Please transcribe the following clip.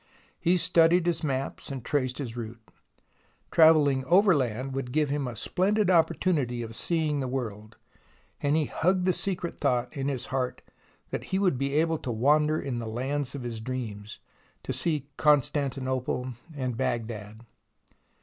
He studied his maps and traced his route. Travelling overland would give him a splendid opportunity of seeing the world, and he hugged the secret thought in his heart that he would be able to wander in the lands of his dreams, to see Constantinople and Baghdad.